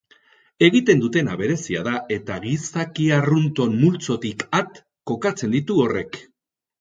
Egiten dutena berezia da eta gizaki arrunton multzotik at kokatzen ditu horrek.